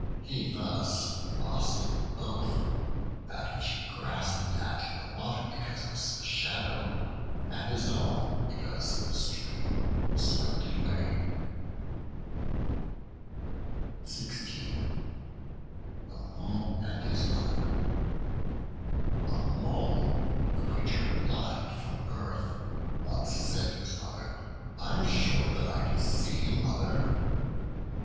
He thus lost both: that which he grasped at in the water, because it was a shadow; and his own, because the stream swept it away. The Mole and His Mother A MOLE, a creature blind from birth, once said to his Mother: "I am sure than I can see, Mother!"